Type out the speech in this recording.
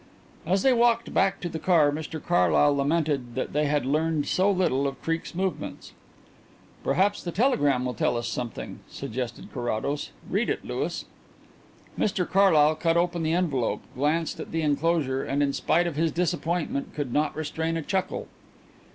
As they walked back to the car Mr Carlyle lamented that they had learned so little of Creake's movements. "Perhaps the telegram will tell us something," suggested Carrados. "Read it, Louis." Mr Carlyle cut open the envelope, glanced at the enclosure, and in spite of his disappointment could not restrain a chuckle.